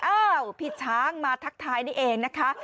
อ้าวพี่ช้างมาทักทายนี่เองนะคะ